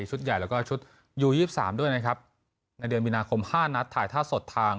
ใหญ่แล้วก็ชุดยูยี่สิบสามด้วยนะครับในเดือนมีนาคมห้านัดถ่ายท่าสดทาง